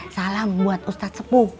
salam buat ustadz sepuh